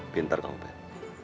pintar kau ben